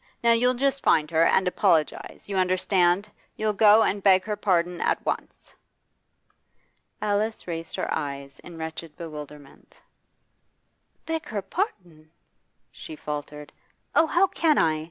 Now you'll just find her and apologise. You understand? You'll go and beg her pardon at once.' Alice raised her eyes in wretched bewilderment. 'Beg her pardon?' she faltered. 'Oh, how can I?